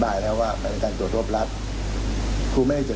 เพราะว่าเป็นครูที่ดีเป็นครูที่ตั้งใจแล้วก็บอกว่าเครียดจริง